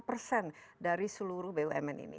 lima persen dari seluruh bumn ini